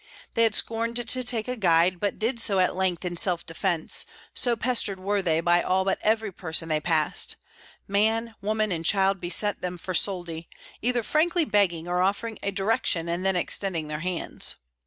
They had scorned to take a guide, but did so at length in self defence, so pestered were they by all but every person they passed; man, woman, and child beset them for soldi, either frankly begging or offering a direction and then extending their hands.